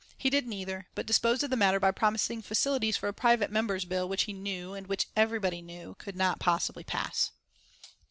He did neither, but disposed of the matter by promising facilities for a private member's bill which he knew, and which everybody knew, could not possibly pass.